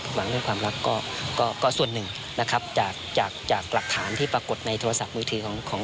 หวังเรื่องความรักก็ส่วนหนึ่งนะครับจากจากหลักฐานที่ปรากฏในโทรศัพท์มือถือของ